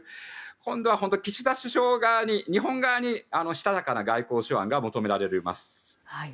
今度は岸田首相側に日本側にしたたかな外交手腕が求められます。